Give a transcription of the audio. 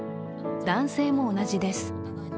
男性も同じです。